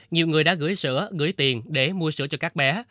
nhiều người đã gửi sữa gửi tiền để mua sữa cho các bé